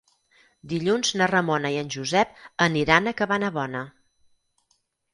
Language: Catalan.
Dilluns na Ramona i en Josep aniran a Cabanabona.